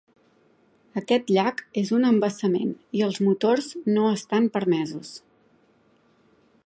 Aquest llac és un embassament i els motors no estan permesos.